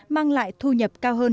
mang lại thu nhập cao hơn